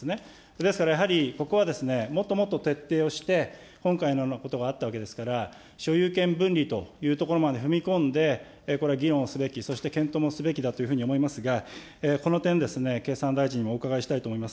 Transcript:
ですからやっぱり、ここはもっともっと徹底をして、今回のようなことがあったわけですから、所有権分離というところまで踏み込んで、これ議論をすべき、そして検討もすべきだというふうに思いますが、この点、経産大臣にお伺いしたいと思います。